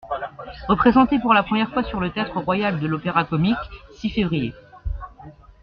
Représenté pour la première fois sur le Théâtre Royal de l'Opéra-Comique (six fév.